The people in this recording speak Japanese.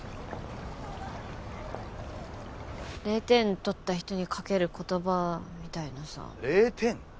０点取った人にかける言葉みたいなさ